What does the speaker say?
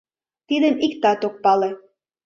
Тидым иктат ок пале.